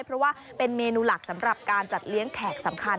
เพราะว่าเป็นเมนูหลักสำหรับการจัดเลี้ยงแขกสำคัญ